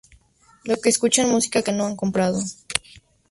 los que escuchan música que no han comprado